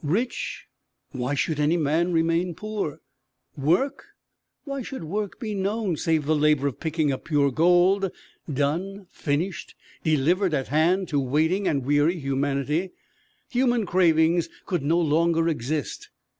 Rich? Why should any man remain poor? Work? Why should work be known, save the labor of picking up pure gold done, finished, delivered at hand to waiting and weary humanity? Human cravings could no longer exist.